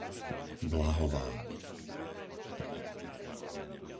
Blahová